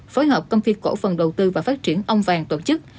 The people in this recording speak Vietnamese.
phối hợp công ty cổ phần đầu tư và phát triển ông vàng tổ chức